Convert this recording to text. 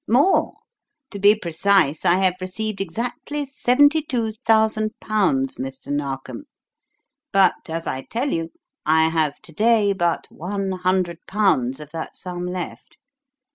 "More! To be precise, I have received exactly seventy two thousand pounds, Mr. Narkom. But, as I tell you, I have to day but one hundred pounds of that sum left.